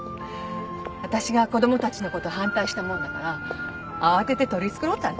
わたしが子供たちのこと反対したもんだから慌てて取り繕ったんでしょ。